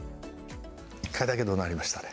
１回だけ、どなりましたね。